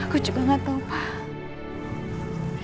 aku juga gak tau pak